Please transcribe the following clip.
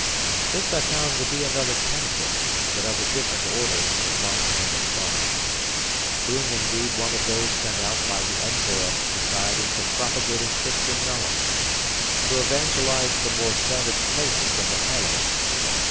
This I found to be another catechist, but of a different order from the blind man of Mull: being indeed one of those sent out by the Edinburgh Society for Propagating Christian Knowledge, to evangelise the more savage places of the Highlands.